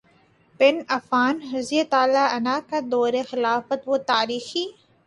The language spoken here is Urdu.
بن عفان رضی اللہ عنہ کا دور خلافت وہ تاریخی